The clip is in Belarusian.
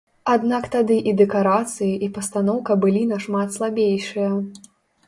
Аднак тады і дэкарацыі, і пастаноўка былі нашмат слабейшыя.